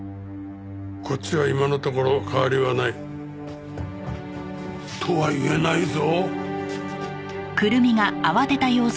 こっちは今のところ変わりはない。とは言えないぞ。